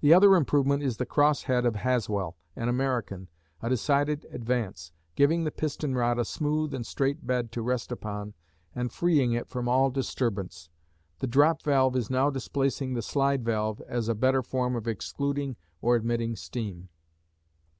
The other improvement is the cross head of Haswell, an American, a decided advance, giving the piston rod a smooth and straight bed to rest upon and freeing it from all disturbance. The drop valve is now displacing the slide valve as a better form of excluding or admitting steam.